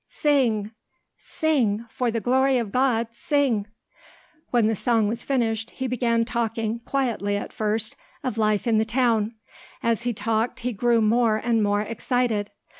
Sing! Sing! For the glory of God, sing!" When the song was finished, he began talking, quietly at first, of life in the town. As he talked he grew more and more excited.